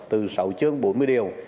từ sáu chương bốn mươi điều